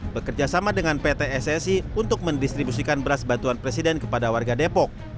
bekerja sama dengan pt ssi untuk mendistribusikan beras bantuan presiden kepada warga depok